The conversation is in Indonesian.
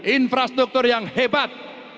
infrastruktur yang hebat